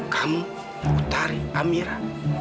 kamu utari amira